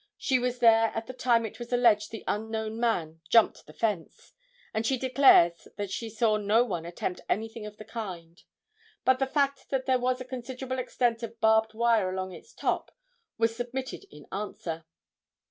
She was there at the time it was alleged the unknown man jumped the fence, and she declares that she saw no one attempt anything of the kind, but the fact that there was a considerable extent of barbed wire along its top was submitted in answer.